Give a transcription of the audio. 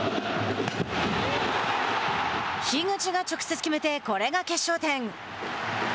樋口が直接決めてこれが決勝点。